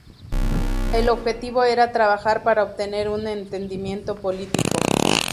El objetivo era trabajar para obtener un entendimiento político.